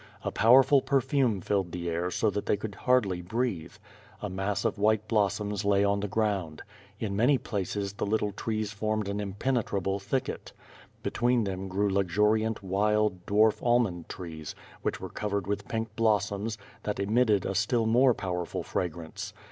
A powerful perfume filled the air so that they could hardly breathe. A mass of white blossoms lay on the ground. In many places, the little trees formed an impene trable thicket. Between them grew luxuriant wild, dwarf almond trees which were covered with pink blossoms, that emitted a still more powerful fragrance.